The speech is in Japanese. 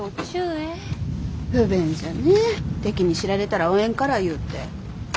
不便じゃねえ敵に知られたらおえんからいうて。